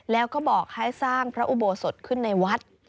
แล้วก็บอกให้สร้างพระอุโบสถขึ้นในวัด